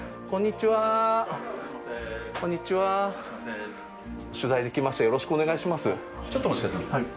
こんにちは。